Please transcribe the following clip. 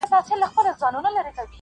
نه مېلې سته نه سازونه نه جشنونه -